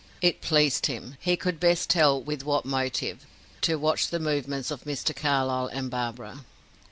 It pleased him he could best tell with what motive to watch the movements of Mr. Carlyle and Barbara.